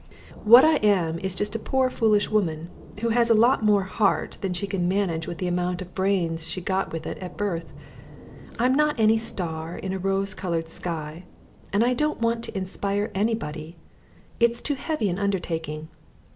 What I am, is just a poor foolish woman, who has a lot more heart than she can manage with the amount of brains she got with it at birth. I'm not any star in a rose coloured sky, and I don't want to inspire anybody; it's too heavy an undertaking.